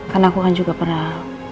karena aku kan juga pernah